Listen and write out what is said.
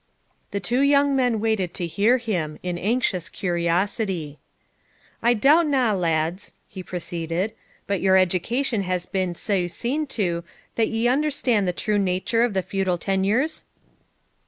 The two young men awaited to hear him, in anxious curiosity. 'I doubt na, lads,' he proceeded, 'but your education has been sae seen to that ye understand the true nature of the feudal tenures?'